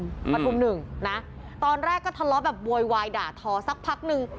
ประทุมหนึ่งนะตอนแรกก็ทะเลาะแบบโวยวายด่าทอสักพักหนึ่ง